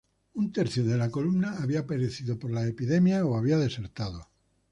Un tercio de la columna había perecido por las epidemias o había desertado.